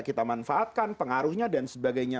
kita manfaatkan pengaruhnya dan sebagainya